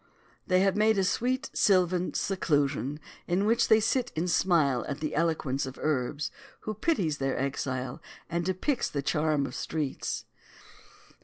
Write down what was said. They have made a sweet sylvan seclusion, in which they sit and smile at the eloquence of Urbs, who pities their exile and depicts the charm of streets.